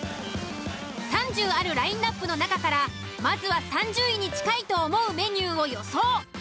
３０あるラインアップの中からまずは３０位に近いと思うメニューを予想。